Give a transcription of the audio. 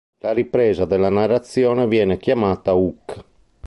La "ripresa" della narrazione viene chiamata "hook".